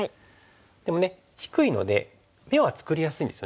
でもね低いので眼は作りやすいんですよね。